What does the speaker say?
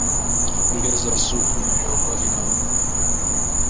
Ongeza supu iliyobaki na maji